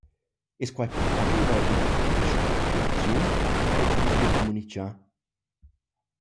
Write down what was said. Es quai pelvaira üna restructuraziun, quai chi’d es gnü comunichà?